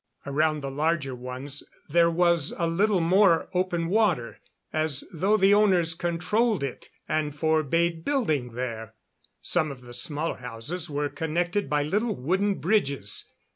Around the larger ones there was a little more open water, as though the owners controlled it and forbade building there. Some of the smaller houses were connected by little wooden bridges.